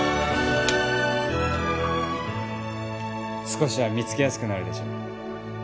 少しは見つけやすくなるでしょ？